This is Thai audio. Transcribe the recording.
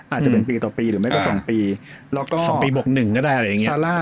อาจจะเป็นปีต่อปีหรือไม่ก็สองปี๒ปีบึกหนึ่งก็ได้อะไรอย่างงี้